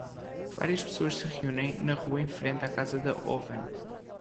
Várias pessoas se reúnem na rua em frente à casa de Owen.